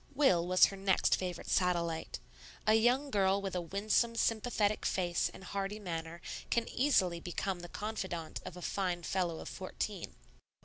Will was her next favorite satellite. A young girl with a winsome, sympathetic face, and hearty manner, can easily become the confidante of a fine fellow of fourteen.